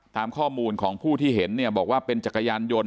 ตามข้อมูลของผู้ที่เห็นเนี่ยบอกว่าเป็นจักรยานยนต์